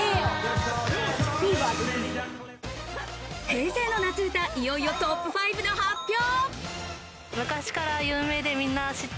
平成の夏歌、いよいよトップ５の発表。